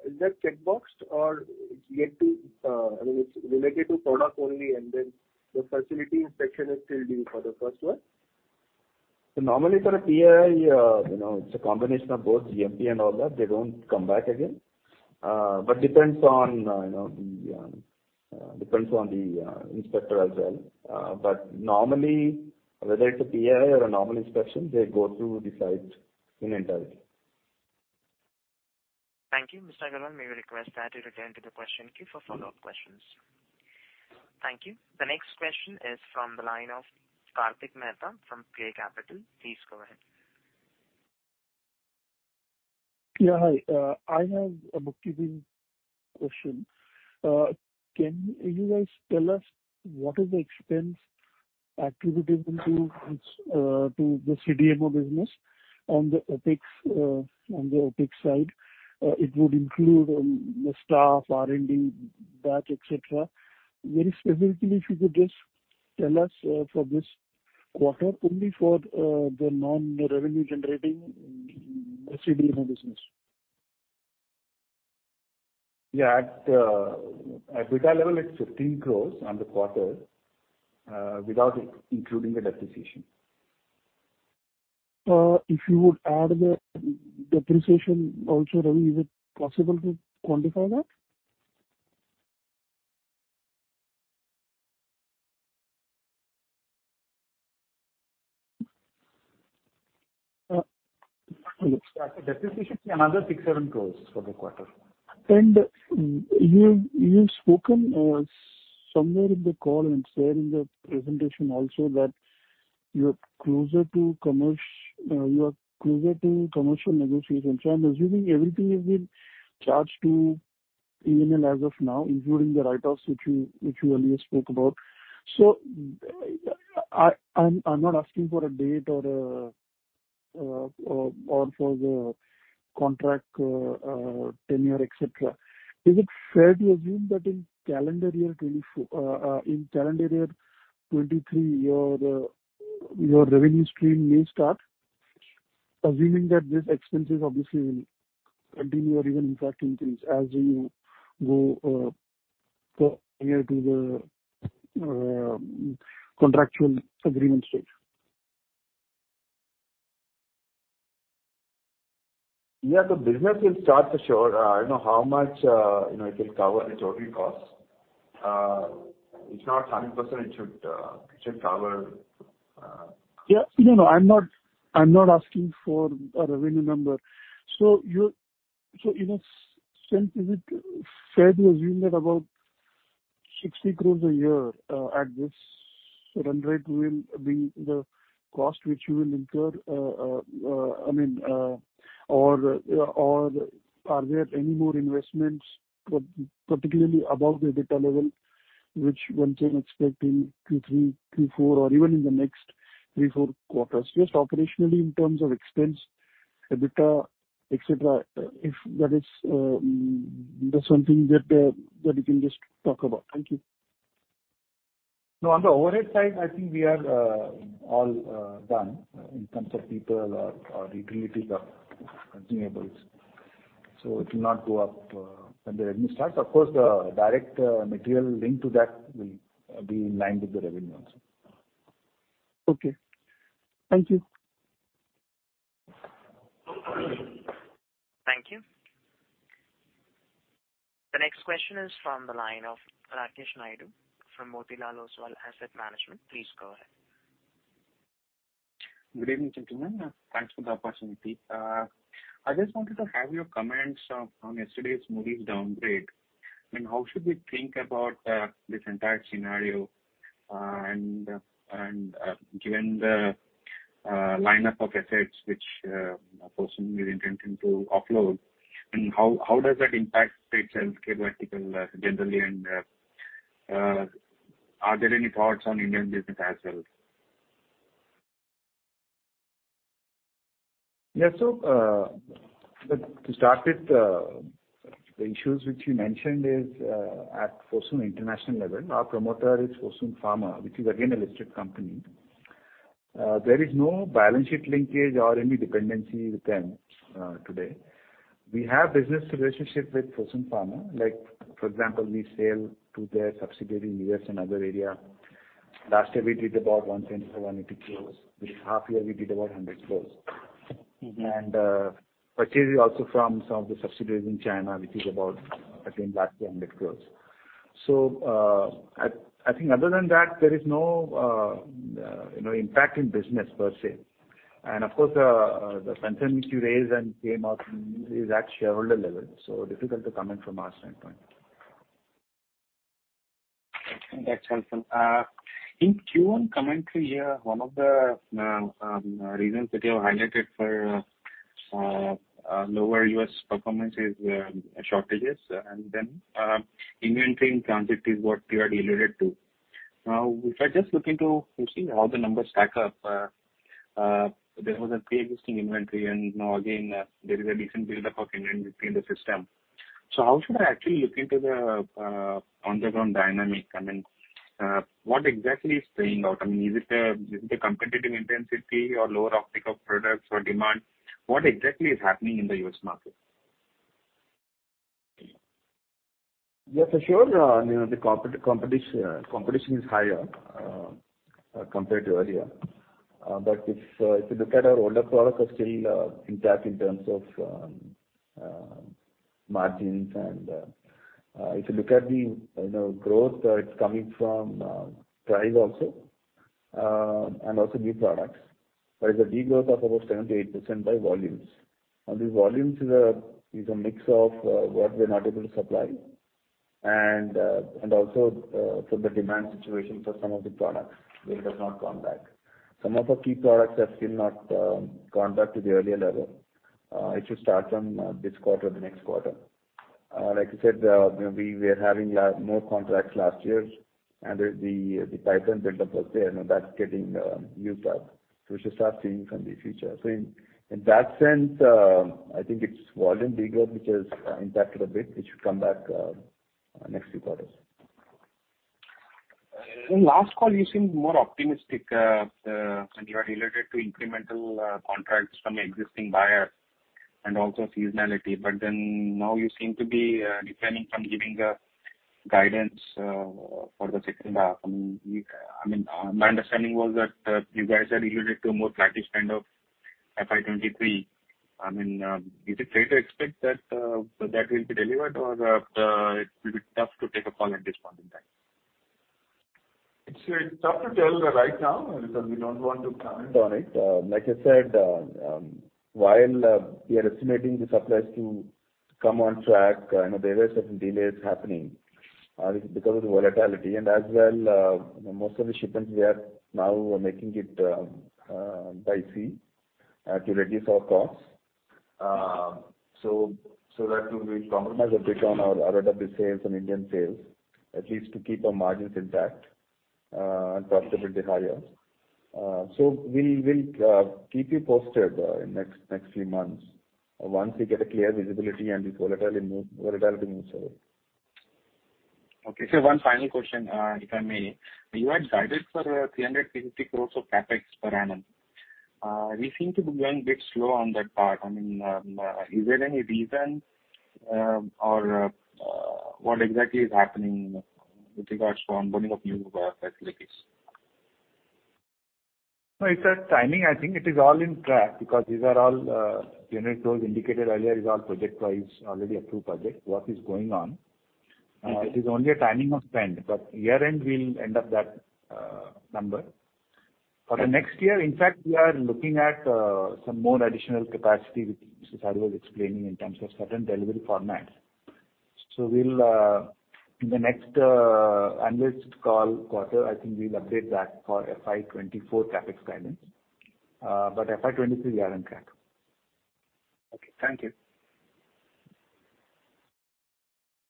is that checkboxed or it's yet to, I mean, it's related to product only and then the facility inspection is still due for the first one. Normally for a PAI, you know, it's a combination of both GMP and all that. They don't come back again. Depends on the inspector as well. Normally, whether it's a PAI or a normal inspection, they go through the sites in entirety. Thank you. Mr. Agarwal, may we request that you return to the question queue for follow-up questions. Thank you. The next question is from the line of Kartik Mehta from Klay Capital. Please go ahead. Hi, I have a multi-part question. Can you guys tell us what is the expense attributed to the CDMO business on the OpEx side? It would include the staff, R&D, that, et cetera. Very specifically, if you could just tell us for this quarter only for the non-revenue generating CDMO business. EBITDA, it's 15 crore on the quarter, without including the depreciation. If you would add the depreciation also, Ravi, is it possible to quantify that? Depreciation is another INR 6 crore-INR 7 crore for the quarter. You've spoken somewhere in the call and said in the presentation also that you are closer to commercial negotiations. I'm assuming everything has been charged to R&D as of now, including the write-offs, which you earlier spoke about. I'm not asking for a date or for the contract tenure, etc. Is it fair to assume that in calendar year 2023, your revenue stream may start assuming that these expenses obviously will continue or even in fact increase as you go closer to the contractual agreement stage? Yeah, the business will start for sure. I don't know how much, you know, it will cover the total cost. It's not 100% it should cover. Yeah. No, no. I'm not asking for a revenue number. In a sense, is it fair to assume that about 60 crore a year at this run rate will be the cost which you will incur? I mean, or are there any more investments particularly above the EBITDA level which one can expect in Q3, Q4, or even in the next three, four quarters? Just operationally in terms of expense, EBITDA, et cetera, if that is, that's something that you can just talk about. Thank you. No, on the overhead side, I think we are all done in terms of people or utilities or consumables. It will not go up when the revenue starts. Of course, the direct material linked to that will be in line with the revenue also. Okay. Thank you. Thank you. The next question is from the line of Rakesh Naidu from Motilal Oswal Asset Management. Please go ahead. Good evening, gentlemen. Thanks for the opportunity. I just wanted to have your comments on yesterday's Moody's downgrade, and how should we think about this entire scenario, and given the lineup of assets which Fosun is intending to offload, I mean, how does that impact Gland's care vertical generally? Are there any thoughts on Indian business as well? Yeah. Look, to start with, the issues which you mentioned is at Fosun International level. Our promoter is Fosun Pharma, which is again a listed company. There is no balance sheet linkage or any dependency with them today. We have business relationship with Fosun Pharma, like for example, we sell to their subsidiary in U.S. and other area. Last year we did about 124 crores-180 crores. This half year we did about 100 crores. Mm-hmm. Purchasing also from some of the subsidiaries in China, which is about, again, that's 100 crores. I think other than that, there is no, you know, impact in business per se. Of course the concern which you raised and came out is at shareholder level, so difficult to comment from our standpoint. Okay. That's helpful. In Q1 commentary here, one of the reasons that you have highlighted for lower U.S. performance is shortages and then inventory in transit is what you had alluded to. Now, if I just look into to see how the numbers stack up, there was a pre-existing inventory and now again there is a decent build up of inventory in the system. How should I actually look into the on-the-ground dynamic? I mean, what exactly is playing out? I mean, is it the competitive intensity or lower uptake of products or demand? What exactly is happening in the U.S. market? Yes, for sure. You know, the competition is higher compared to earlier. If you look at our older products are still intact in terms of margins. If you look at the, you know, growth, it's coming from price also and also new products. There is a de-growth of about 70%-80% by volumes. Now these volumes is a mix of what we're not able to supply and also from the demand situation for some of the products where it has not come back. Some of our key products have still not gone back to the earlier level. It should start from this quarter or the next quarter. Like I said, you know, we were having more contracts last year and the pipeline build up was there. Now that's getting used up. We should start seeing from the future. In that sense, I think it's volume de-growth which has impacted a bit, which should come back next few quarters. In last call you seemed more optimistic when you had alluded to incremental contracts from existing buyers and also seasonality. Now you seem to be declining from giving guidance for the second half. My understanding was that you guys had alluded to a more flattish kind of FY 2023. Is it fair to expect that that will be delivered or it will be tough to take a call at this point in time? It's tough to tell right now, and so we don't want to comment on it. Like I said, while we are estimating the supplies to come on track, you know, there were certain delays happening because of the volatility. As well, you know, most of the shipments we are now making by sea to reduce our costs. So that will compromise a bit on our ROW sales and Indian sales, at least to keep our margins intact and profitability higher. We'll keep you posted in next few months. Once we get a clear visibility and the volatility moves away. Okay. Sir, one final question, if I may. You had guided for 360 crore of CapEx per annum. We seem to be going a bit slow on that part. I mean, is there any reason, or what exactly is happening with regards to onboarding of new facilities? No, it's a timing. I think it is all on track because these are all, generic tools indicated earlier is all projectized, already approved projects. Work is going on. Okay. It is only a timing of spend. Year-end, we'll end up that number. For the next year, in fact, we are looking at some more additional capacity, which Sardu was explaining in terms of certain delivery formats. We'll in the next analyst call quarter, I think we'll update that for FY 2024 CapEx guidance. FY 2023 we are on track. Okay, thank you.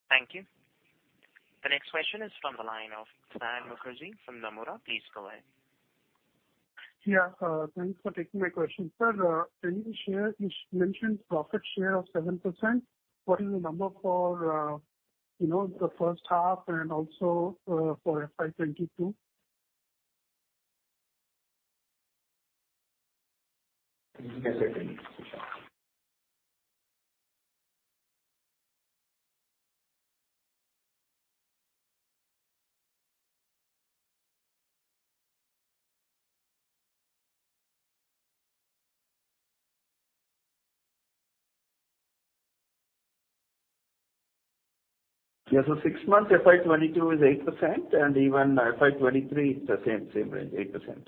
Thank you. The next question is from the line of Saion Mukherjee from Nomura. Please go ahead. Yeah, thanks for taking my question. Sir, can you share? You mentioned profit share of 7%. What is the number for the first half and also for FY 2022? Yes, certainly. Yes, six months FY 2022 is 8% and even FY 2023 is the same range, 8%.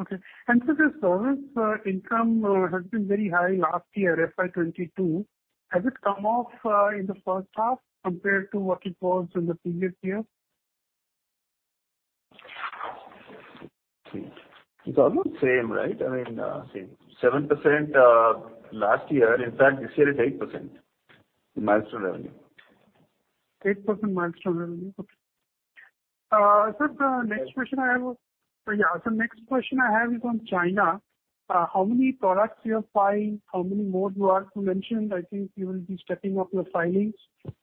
Okay. Sir, the service income has been very high last year, FY 2022. Has it come off in the first half compared to what it was in the previous year? It's almost same, right? I mean, same. 7% last year. In fact, this year it's 8%, the milestone revenue. 8% milestone revenue. Okay. Sir, the next question I have is on China. How many products you're filing? How many more you are to mention? I think you will be stepping up your filings.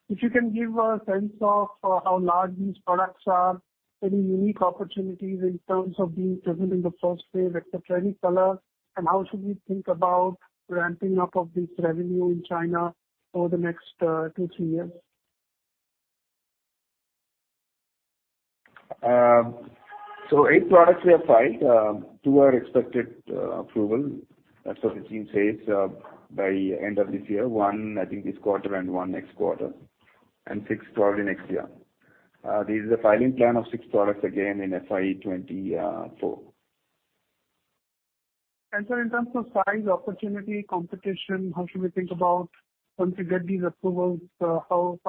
If you can give a sense of how large these products are, any unique opportunities in terms of being present in the first wave, et cetera, any color? How should we think about ramping up of this revenue in China over the next two, three years? Eight products we have filed. Two are expected approval. That's what the team says, by end of this year. One, I think this quarter and 1 next quarter, and six probably next year. There is a filing plan of six products again in FY 2024. Sir, in terms of size, opportunity, competition, how should we think about once you get these approvals, how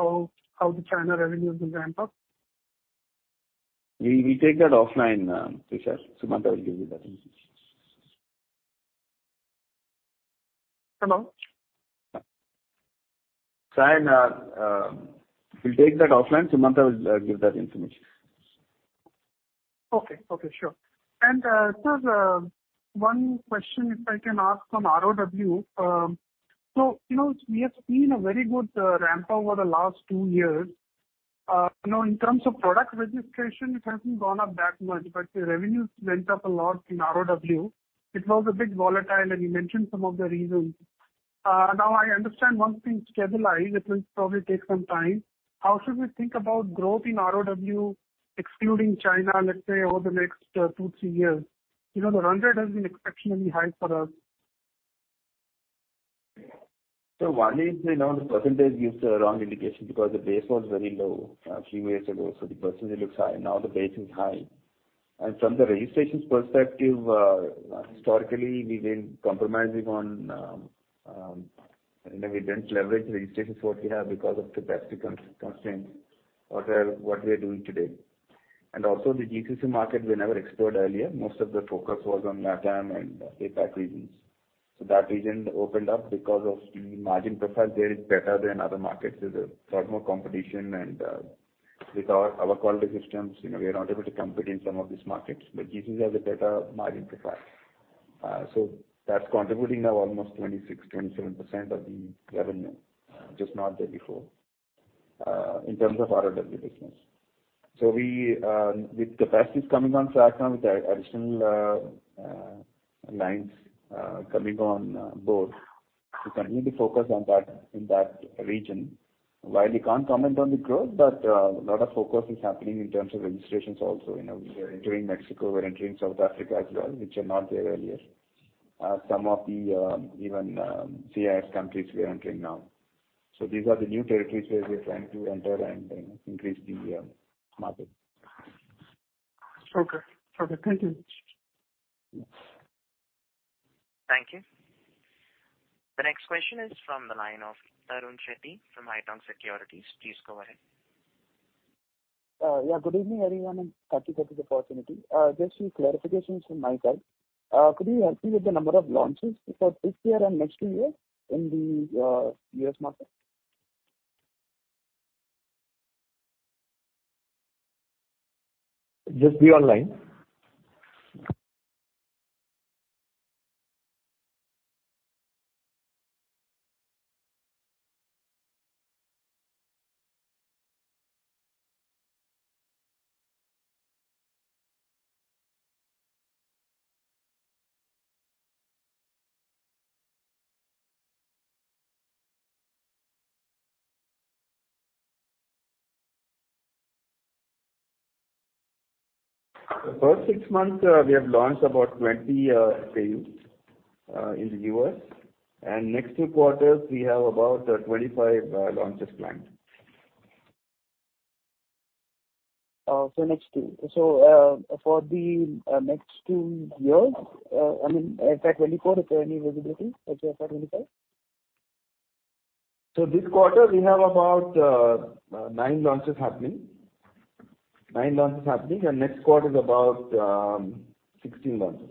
the China revenue will ramp up? We take that offline, Tushar. Sumanta will give you that information. Hello? Saion, we'll take that offline. Sumanta will give that information. Okay. Okay, sure. Sir, one question if I can ask on ROW. So, you know, we have seen a very good ramp over the last two years. You know, in terms of product registration, it hasn't gone up that much, but the revenues went up a lot in ROW. It was a bit volatile, and you mentioned some of the reasons. Now I understand once things stabilize, it will probably take some time. How should we think about growth in ROW, excluding China, let's say over the next two, three years? You know, the run rate has been exceptionally high for us. One is, you know, the percentage gives the wrong indication because the base was very low a few years ago, so the percentage looks high. Now the base is high. From the registrations perspective, historically we've been compromising on, you know, we didn't leverage registrations what we have because of capacity constraints or, what we are doing today. Also the GCC market we never explored earlier. Most of the focus was on LATAM and APAC regions. That region opened up because of the margin profile there is better than other markets. There's a lot more competition and, with our quality systems, you know, we are not able to compete in some of these markets. GCC has a better margin profile. That's contributing now almost 26%-27% of the revenue. Just not there before in terms of ROW business. We, with capacities coming on site now, with additional lines coming on board, we continue to focus on that in that region. While we can't comment on the growth, but a lot of focus is happening in terms of registrations also. You know, we are entering Mexico, we're entering South Africa as well, which are not there earlier. Some of the even CIS countries we are entering now. These are the new territories where we're trying to enter and increase the market. Okay. Okay, thank you. Yes. Thank you. The next question is from the line of Tarun Shetty from Haitong Securities. Please go ahead. Good evening, everyone, and thank you for this opportunity. Just few clarifications from my side. Could you help me with the number of launches for this year and next two years in the U.S. market? Just be on line. For six months, we have launched about 20 SKUs in the U.S., and next two quarters we have about 25 launches planned. Next two. For the next two years, I mean, FY 2024, is there any visibility that you have for 25? This quarter we have about nine launches happening, and next quarter is about 16 launches.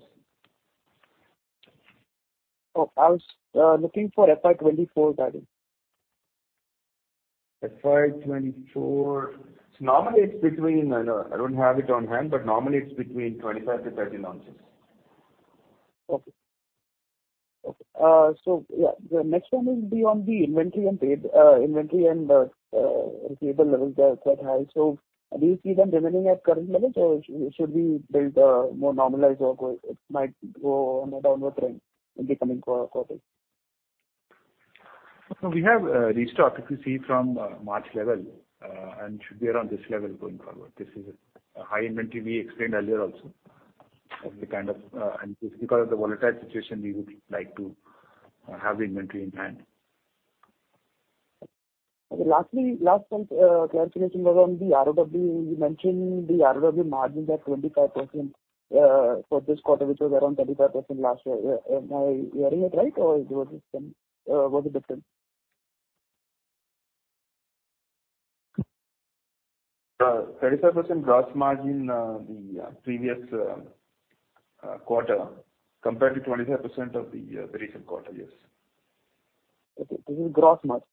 Oh, I was looking for FY 2024, Sadu. FY 2024. I don't have it on hand, but normally it's between 25-30 launches. Yeah, the next one is beyond the inventory and payables levels that had. Do you see them remaining at current levels, or should we build more normalized or it might go on a downward trend in the coming quarters? No, we have restocked, if you see from March level, and should be around this level going forward. This is a high inventory we explained earlier also of the kind of, and because of the volatile situation, we would like to have the inventory in hand. Okay. Lastly, last one, clarification was on the ROW. You mentioned the ROW margins are 25% for this quarter, which was around 35% last year. Am I hearing it right or was it 10, was it different? 35% gross margin, the previous quarter compared to 25% of the recent quarter. Yes. Okay. This is gross margin.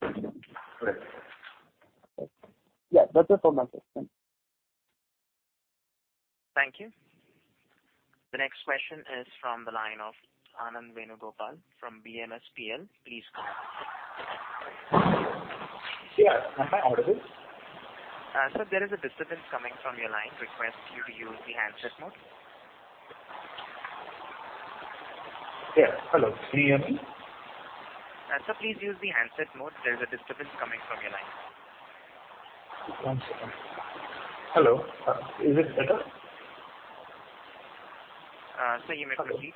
Correct. Okay. Yeah. That's all from my side. Thanks. Thank you. The next question is from the line of Anand Venugopal from BMSPL. Please go ahead. Yeah. Am I audible? Sir, there is a disturbance coming from your line. Request you to use the handset mode. Yeah. Hello. Can you hear me? Sir, please use the handset mode. There's a disturbance coming from your line. One second. Hello? Is it better? Sir, you may proceed.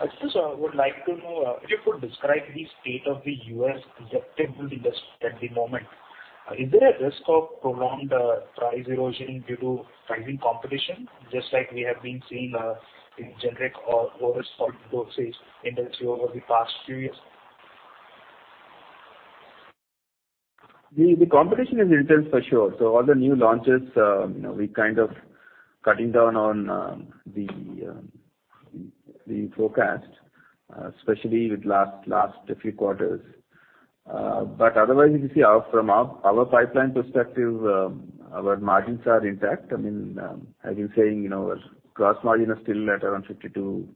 I just would like to know if you could describe the state of the U.S. injectable industry at the moment. Is there a risk of prolonged price erosion due to rising competition, just like we have been seeing in generic oral dosage industry over the past few years? The competition is intense for sure. All the new launches, you know, we kind of cutting down on the forecast, especially with last few quarters. Otherwise, if you see our from our pipeline perspective, our margins are intact. I mean, as you're saying, you know, gross margin is still at around 52%,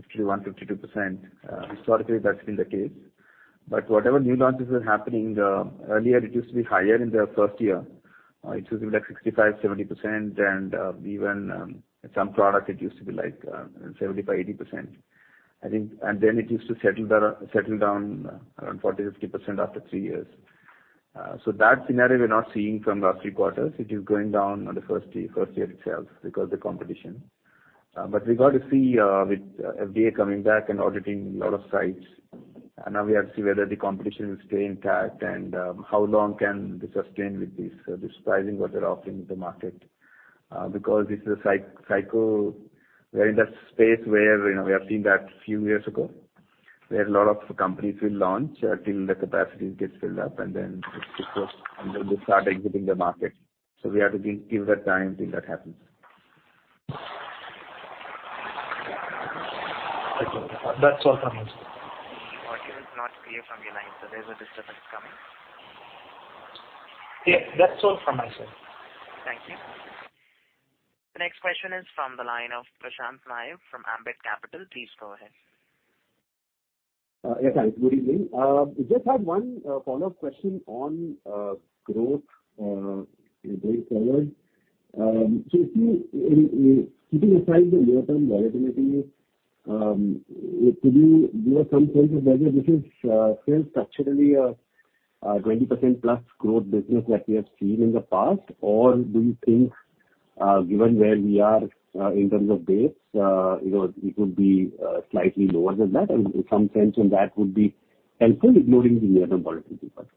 51%, 52%. Historically, that's been the case. Whatever new launches were happening, earlier it used to be higher in the first year. It used to be like 65%-70%. Even, some product it used to be like 75%-80%, I think. Then it used to settle down around 40%-60% after three years. That scenario we're not seeing from last three quarters. It is going down in the first year itself because of the competition. But we got to see with FDA coming back and auditing a lot of sites. Now we have to see whether the competition will stay intact and how long can they sustain with this pricing what they're offering in the market. Because this is a cycle. We're in that space where, you know, we have seen that few years ago, where a lot of companies will launch till the capacity gets filled up, and then they start exiting the market. We have to give that time till that happens. Okay. That's all from my side. The audio is not clear from your line, sir. There's a disturbance coming. Yeah. That's all from my side. Thank you. The next question is from the line of Prashant Nayak from Ambit Capital. Please go ahead. Yeah. Thanks. Good evening. Just had one follow-up question on growth going forward. So you see in keeping aside the near-term volatility, could you give some sense of whether this is still structurally a 20%+ growth business that we have seen in the past? Or do you think, given where we are in terms of base, you know, it could be slightly lower than that? In some sense then that would be helpful ignoring the near-term volatility part.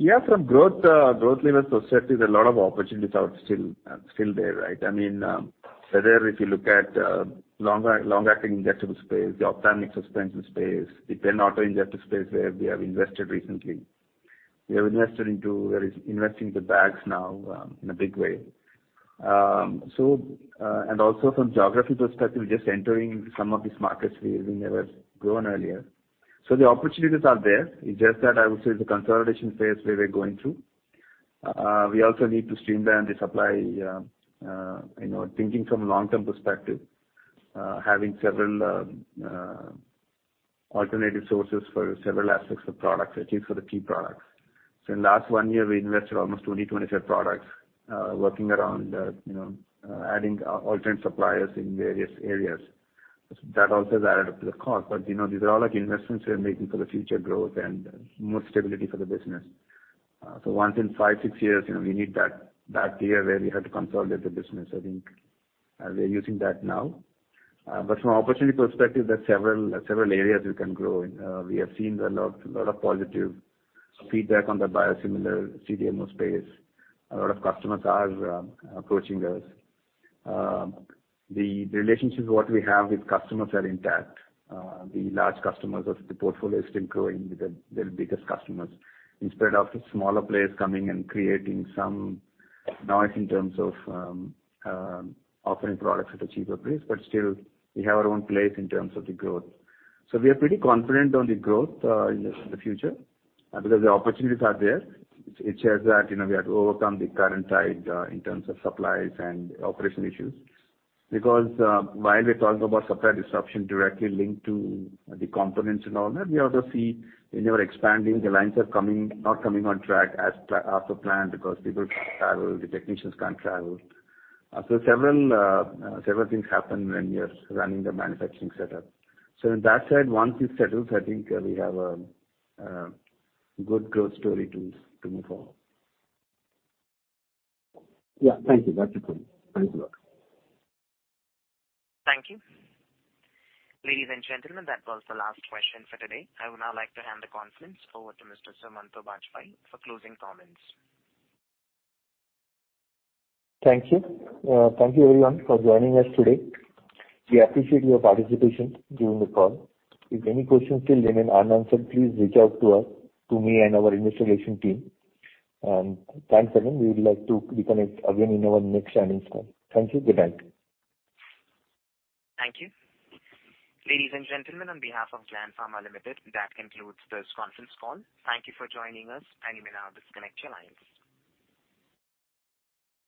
Yeah, from growth levers perspective, a lot of opportunities are still there, right? I mean, whether if you look at long-acting injectable space, the ophthalmic suspension space, the pen auto-injector space where we have invested recently. We're investing the bags now in a big way. And also from geography perspective, we're just entering some of these markets we never grown earlier. The opportunities are there. It's just that I would say the consolidation phase we were going through. We also need to streamline the supply, thinking from long-term perspective, having several alternative sources for several aspects of products, at least for the key products. In last one year, we invested almost 20-25 products, working around, you know, adding alternate suppliers in various areas. That also has added up to the cost. You know, these are all like investments we are making for the future growth and more stability for the business. Once in five, six years, you know, we need that year where we have to consolidate the business. I think we are using that now. From opportunity perspective, there are several areas we can grow. We have seen a lot of positive feedback on the biosimilar CDMO space. A lot of customers are approaching us. The relationships what we have with customers are intact. The large customers of the portfolio is still growing with the biggest customers. Instead of the smaller players coming and creating some noise in terms of offering products at a cheaper price, but still we have our own place in terms of the growth. We are pretty confident on the growth in the future because the opportunities are there. It's just that, you know, we have to overcome the current tide in terms of supplies and operation issues. Because while we're talking about supply disruption directly linked to the components and all that, we also see when you are expanding, the lines are not coming on track as per plan because people can't travel, the technicians can't travel. Several things happen when you're running the manufacturing setup. In that side, once it settles, I think we have a good growth story to move forward. Yeah. Thank you. That's it for me. Thanks a lot. Thank you. Ladies and gentlemen, that was the last question for today. I would now like to hand the conference over to Mr. Sumanta Bajpayee for closing comments. Thank you. Thank you everyone for joining us today. We appreciate your participation during the call. If any questions still remain unanswered, please reach out to us, to me and our investor relations team. Thanks again. We would like to reconnect again in our next earnings call. Thank you. Good night. Thank you. Ladies and gentlemen, on behalf of Gland Pharma Limited, that concludes this conference call. Thank you for joining us, and you may now disconnect your lines.